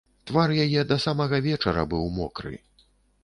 Твар яе да самага вечара быў мокры.